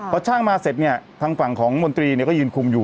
พอช่างมาเสร็จเนี่ยทางฝั่งของมนตรีก็ยืนคุมอยู่